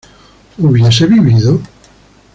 ¿hubiese vivido?